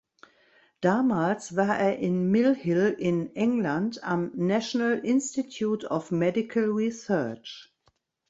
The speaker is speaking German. Damals war er in Mill Hill in England am National Institute of Medical Research.